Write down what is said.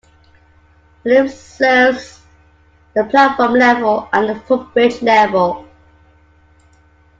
The lift serves the platform level and the footbridge level.